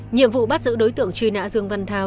nhiệm vụ bắt giữ đối tượng truy nã dương văn thao